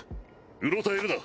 うろたえるな。